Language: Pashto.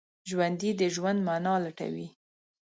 ژوندي د ژوند معنی لټوي